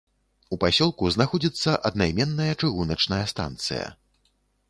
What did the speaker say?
У пасёлку знаходзіцца аднаіменная чыгуначная станцыя.